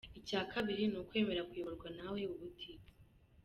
Icya kabiri ni ukwemera kuyoborwa nawe ubutitsa.